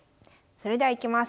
それではいきます。